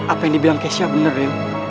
apa yang dibilang kesha benar ya